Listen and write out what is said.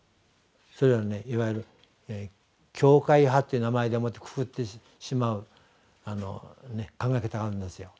それはいわゆる「教会派」っていう名前でもってくくってしまう考え方があるんですよ。